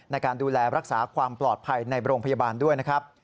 ในการดูแลรักษาความปลอดภัยในโรงพยาบาลด้วยนะครับ